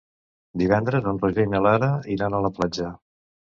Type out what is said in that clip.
Divendres en Roger i na Lara iran a la platja.